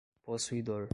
possuidor